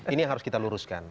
ini harus kita luruskan